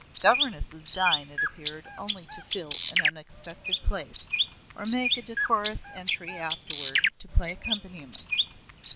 Governesses dine, it appeared, only to fill an unexpected place, or make a decorous entry afterward, to play accompaniments.